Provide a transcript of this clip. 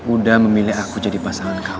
udah memilih aku jadi pasangan kamu